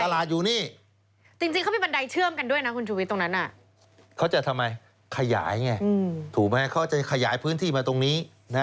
ถูกไหมเขาจะขยายพื้นที่มาตรงนี้